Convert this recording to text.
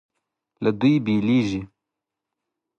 له دوی بېلېږي.